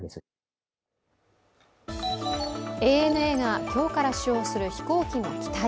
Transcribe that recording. ＡＮＡが今日から使用する機体。